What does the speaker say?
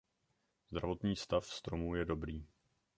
Zdravotní stav stromu je dobrý.